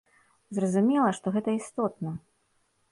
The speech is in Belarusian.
Зразумела, што гэта істотна.